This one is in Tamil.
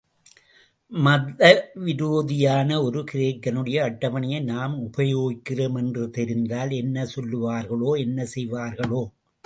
மத விரோதியான ஒரு கிரேக்கனுடைய அட்டவணையை நாம் உபயோகிக்கிறோம் என்று தெரிந்தால் என்ன சொல்லுவார்களோ, என்ன செய்வார்களோ?